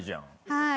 はい。